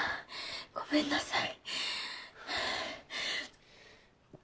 ああごめんなさい！